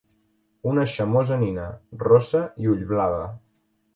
Una xamosa nina, rossa i ullblava.